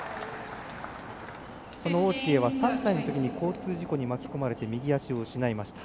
王紫瑩は３歳のときに交通事故に巻き込まれて右足を失いました。